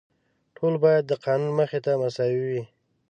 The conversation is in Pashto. ټول باید د قانون مخې ته مساوي وي.